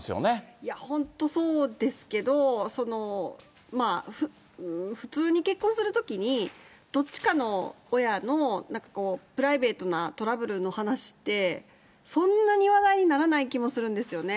いや、本当そうですけど、普通に結婚するときに、どっちかの親のプライベートなトラブルの話って、そんなに話題にならない気もするんですよね。